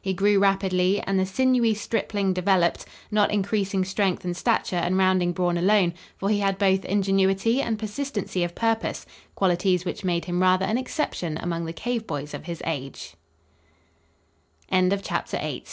He grew rapidly, and the sinewy stripling developed, not increasing strength and stature and rounding brawn alone, for he had both ingenuity and persistency of purpose, qualities which made him rather an exception among the cave boys of his age. CHAPTER IX. DOMESTIC MATTERS.